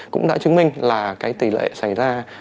cũng đã chứng minh là cái tỷ lệ xảy ra